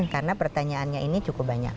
karena pertanyaannya ini cukup banyak